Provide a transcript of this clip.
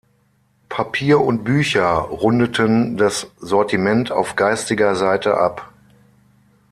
Papier und Bücher rundeten das Sortiment auf geistiger Seite ab.